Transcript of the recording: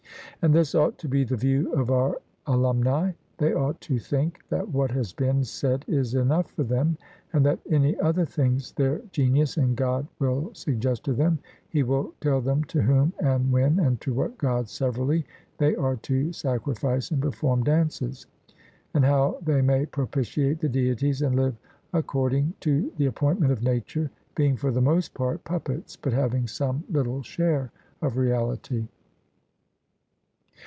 And this ought to be the view of our alumni; they ought to think that what has been said is enough for them, and that any other things their Genius and God will suggest to them he will tell them to whom, and when, and to what Gods severally they are to sacrifice and perform dances, and how they may propitiate the deities, and live according to the appointment of nature; being for the most part puppets, but having some little share of reality.